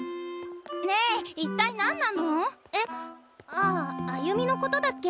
ああ亜由美のことだっけ？